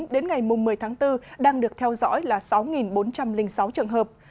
đến ngày một mươi tháng bốn đang được theo dõi là sáu bốn trăm linh sáu trường hợp